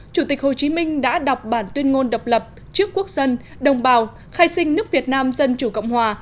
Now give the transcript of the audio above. chủ tịch hồ chí minh đã đọc bản tuyên ngôn độc lập trước quốc dân đồng bào khai sinh nước việt nam dân chủ cộng hòa